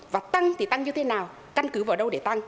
và tăng thì tăng như thế nào căn cứ vào đâu để tăng